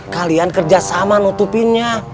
kalian kerjasama nutupinnya